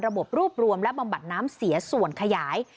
ระบบรวบรวมและบำบัดน้ำเสียส่วนขยาย